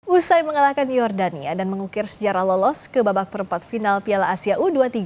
usai mengalahkan jordania dan mengukir sejarah lolos ke babak perempat final piala asia u dua puluh tiga